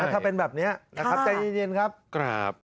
ถ้าเป็นแบบนี้ใจเย็นครับ